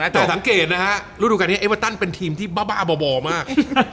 แต่สังเกตนะฮะฤดูการนี้เอเวอร์ตันเป็นทีมที่บ้าบ่อมาก